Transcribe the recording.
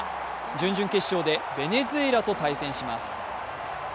準々決勝でベネズエラと対戦します。